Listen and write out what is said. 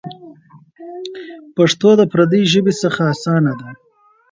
پښتو د پردۍ ژبې څخه اسانه ده.